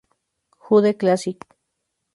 Jude Classic.